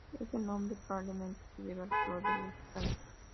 Este nombre probablemente se debe al color del estaño.